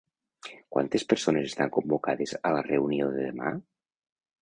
Quantes persones estan convocades a la reunió de demà?